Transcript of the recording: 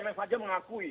sampai imf aja masih ada